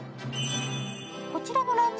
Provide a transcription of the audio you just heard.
こちらのランチ